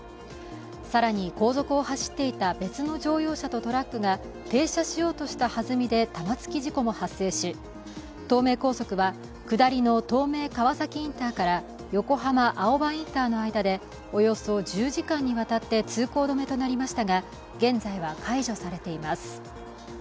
更に後続を走っていた別の乗用車とトラックが停車しようとしたはずみで玉突き事故も発生し、東名高速は、下りの東名川崎インターから横浜青葉インターの間でおよそ１０時間にわたって通行止めとなりましたが、現在は解除されています。